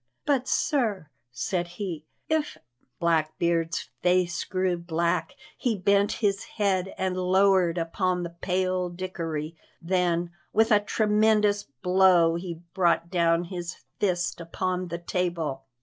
"But, sir," said he, "if " Blackbeard's face grew black; he bent his head and lowered upon the pale Dickory, then, with a tremendous blow, he brought down his fist upon the table.